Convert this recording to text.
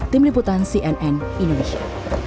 tim liputan cnn indonesia